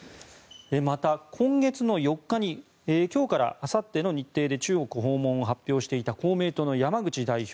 また、今月４日に今日からあさっての日程で中国訪問を予定していた公明党の山口代表